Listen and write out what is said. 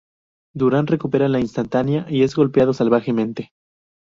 Duran recupera la instantánea y es golpeado salvajemente.